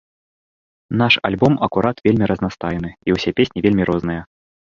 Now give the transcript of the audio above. Наш альбом акурат вельмі разнастайны і ўсе песні вельмі розныя.